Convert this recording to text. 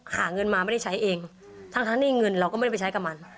หาเงินมาไม่ได้ใช้เองทั้งที่เงินเราก็ไม่ได้ไปใช้กับมัน